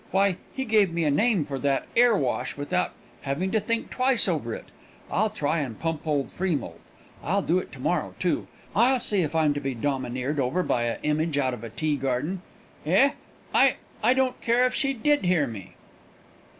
Why, he gave me a name for that 'airwash without having to think twice over it! I'll try and pump old Freemoult. I'll do it to morrow, too. I'll see if I'm to be domineered over by a image out of a tea garden. Eh? I I don't care if she did hear me!"